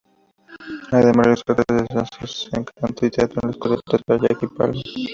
Además, realizó clases de danza, canto y teatro en la escuela teatral Jackie Palmer.